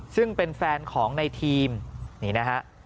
ซึ่งเป็นแฟนของในทีมนี่นะฮะ